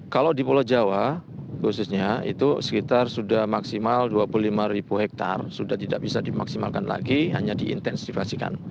kalau di pulau jawa khususnya itu sekitar sudah maksimal dua puluh lima ribu hektare sudah tidak bisa dimaksimalkan lagi hanya diintensifikasikan